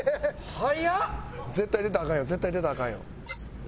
絶対出たらアカンよ絶対出たらアカンよ。